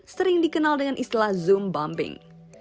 sering dikenal dengan istilah zoom bumbing